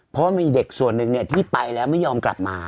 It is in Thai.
เพราะว่ามีเด็กส่วนหนึ่งที่ไปแล้วไม่ยอมกลับมา